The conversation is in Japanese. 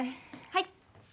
はい。